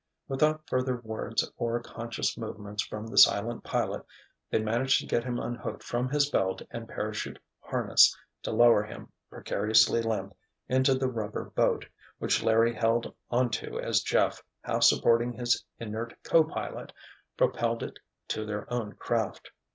Without further words or conscious movements from the silent pilot they managed to get him unhooked from his belt and parachute harness, to lower him, precariously limp, into the rubber boat, which Larry held onto as Jeff, half supporting his inert co pilot, propelled it to their own craft.